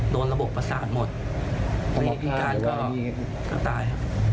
โดนระบบประสาทหมดพี่การก็ตาย